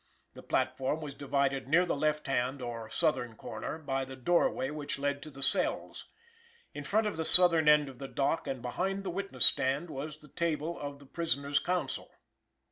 The platform was divided near the left hand or southern corner by the doorway which led to the cells. In front of the southern end of the dock and behind the witness stand was the table of the prisoners' counsel.